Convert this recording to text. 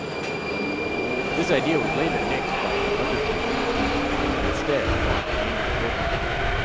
This idea was later nixed by The Undertaker, who instead fought Randy Orton.